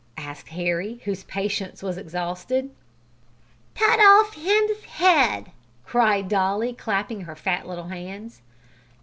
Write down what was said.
asked Harry, whose patience was exhausted. "Tut off him's head," cried Dolly, clapping her fat little hands.